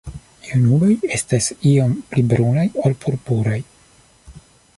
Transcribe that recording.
Junuloj estas iom pli brunaj ol purpuraj.